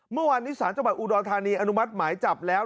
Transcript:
เมื่อวานนี้ศาลจังหวัดอุดรธานีอนุมัติหมายจับแล้ว